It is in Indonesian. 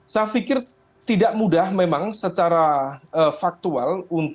saya pikir tidak mudah memang secara faktual